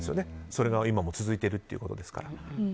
それが今も続いてるということですから。